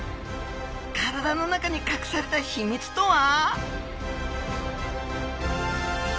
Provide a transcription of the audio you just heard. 体の中にかくされた秘密とは！？